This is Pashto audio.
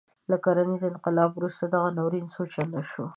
له کرنیز انقلاب وروسته دغه ناورین څو چنده شو.